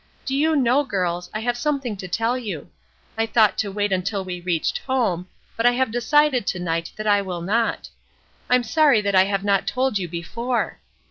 Do you know, girls, I have something to tell you: I thought to wait until we reached home, but I have decided to night that I will not. I am sorry that I have not told you before.